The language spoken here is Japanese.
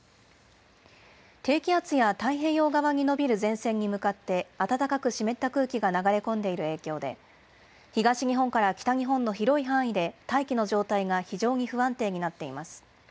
低気圧や太平洋側に延びる前線に向かって、暖かく湿った空気が流れ込んでいる影響で、東日本から北日本の広い範囲で大気の状態が非常に不安定になっています。